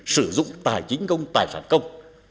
sử dụng tài chính công tài sản công